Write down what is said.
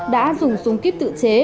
đã dùng súng kíp tự chế